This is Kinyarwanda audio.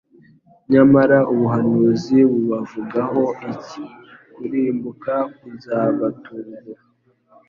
Nyamara ubuhanuzi bubavugaho iki? «Kurimbuka kuzabatungura. "»